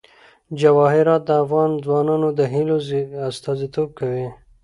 جواهرات د افغان ځوانانو د هیلو استازیتوب کوي.